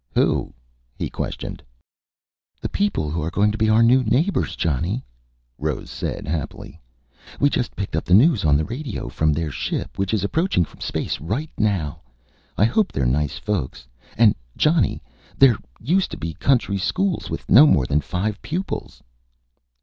"Who?" he questioned. "The people who are going to be our new neighbors, Johnny," Rose said happily. "We just picked up the news on the radio from their ship, which is approaching from space right now! I hope they're nice folks. And, Johnny there used to be country schools with no more than five pupils...."